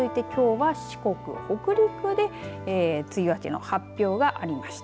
きのう中国地方、近畿、東海に続いて、きょうは四国、北陸で梅雨明けの発表がありました。